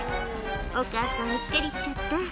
「お母さんうっかりしちゃった」